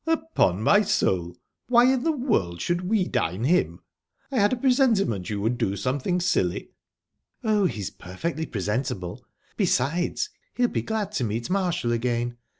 "Upon my soul! Why in the world should we dine him?...I had a presentiment you would do something silly." "Oh, he's perfectly presentable. Besides, he'll be glad to meet Marshall again.